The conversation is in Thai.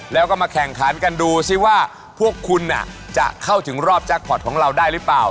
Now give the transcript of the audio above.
แล้วก็มาแข่งขันกันดูสิว่าพวกคุณจะเข้าถึงรอบแจ็คพอร์ตของเราได้หรือเปล่า